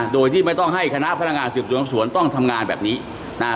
โดยที่ไม่ต้องให้คณะพนักงานสืบสวนสวนต้องทำงานแบบนี้นะฮะ